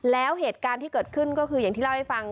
แล้วเหตุการณ์ที่เกิดขึ้นก็คืออย่างที่เล่าให้ฟัง